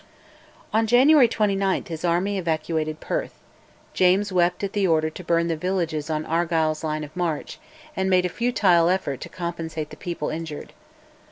On January 29 his army evacuated Perth; James wept at the order to burn the villages on Argyll's line of march, and made a futile effort to compensate the people injured.